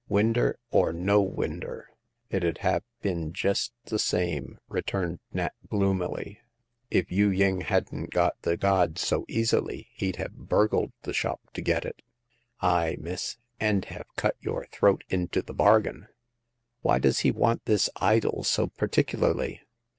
Winder or no winder, it 'ud have been jest the same," returned Nat, gloomily ;if Yu ying hadn't got the god so easily, he'd have burgled the shop to get it. Aye, miss, and have cut your throat into the bargain !"" Why does he want this idol so particularly?"